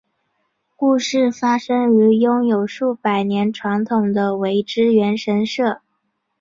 故事发生于拥有数百年传统的苇之原神社。